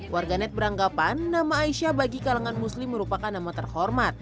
warganet beranggapan nama aisyah bagi kalangan muslim merupakan nama terhormat